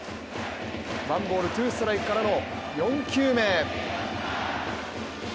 ワンボールツーストライクからの４球目。